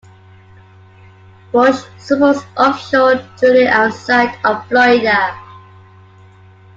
Bush supports offshore drilling outside of Florida.